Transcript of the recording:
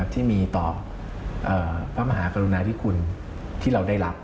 ที่มีต่อพระมหากรุณาธิคุณที่เราได้รับ